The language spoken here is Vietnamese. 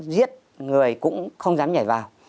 giết người cũng không dám nhảy vào